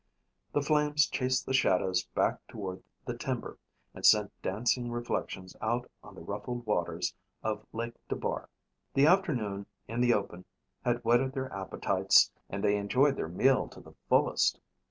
The flames chased the shadows back toward the timber and sent dancing reflections out on the ruffled waters of Lake Dubar. The afternoon in the open had whetted their appetites and they enjoyed their meal to the fullest.